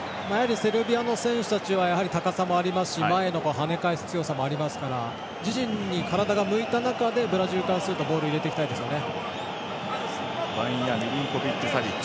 セルビアの選手たちはやはり高さもありますし前に跳ね返す強さがありますから自陣に向いた中でブラジルからするとボールを入れていきたいですね。